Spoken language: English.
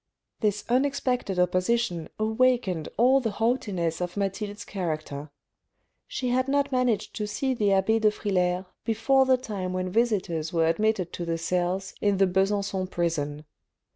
This unexpected opposition awakened all the haughtiness of Mathilde's character. She had not managed to see the abbe de Frilair before the time when visitors were admitted to the cells in the Besancon prison.